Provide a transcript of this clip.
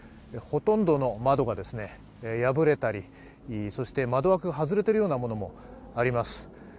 ほとんどの窓が破れたり、そして窓枠が外れてるようなものもあります。